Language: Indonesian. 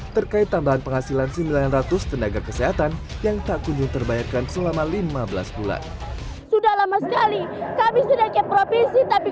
terkait tambahan penghasilan sembilan ratus tenaga kesehatan yang tak kunjung terbayarkan selama lima belas bulan